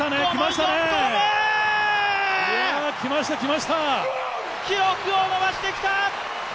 ４投目、記録を伸ばしてきた！